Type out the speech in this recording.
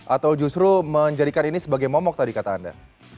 atau justru menjadikan ini sebagai momok tadi kata anda